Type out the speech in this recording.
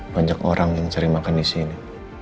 banyak orang yang cari makan di sini